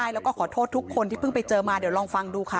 แล้วก็ขอโทษทุกคนที่เพิ่งไปเจอมาเดี๋ยวลองฟังดูค่ะ